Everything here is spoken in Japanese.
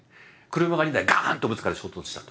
車が２台ガーンとぶつかって衝突したと。